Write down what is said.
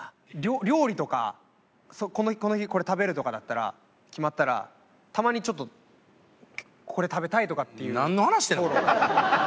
料理とかこの日これ食べるとかだったら決まったらたまにちょっとこれ食べたいとかっていう。